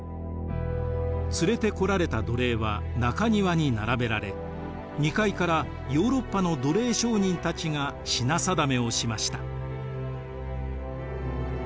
連れてこられた奴隷は中庭に並べられ２階からヨーロッパの奴隷商人たちが品定めをしました。